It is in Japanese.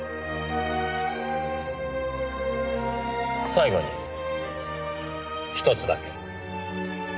最後にひとつだけ。